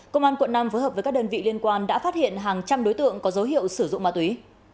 công an quận năm phối hợp với các đơn vị liên quan đã phát hiện hàng trăm đối tượng có dấu hiệu sử dụng ma túy